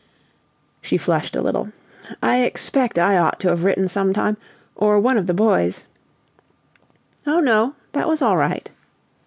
She flushed a little. "I expect I ought to've written sometime, or one of the boys " "Oh no; that was all right."